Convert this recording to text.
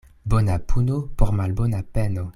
Bona puno por malbona peno.